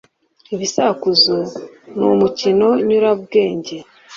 Ibisakuzo ni umukino nyurabwenge.